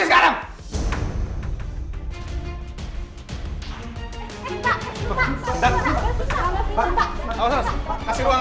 saya akan memomposi sekarang